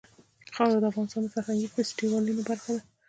خاوره د افغانستان د فرهنګي فستیوالونو برخه ده.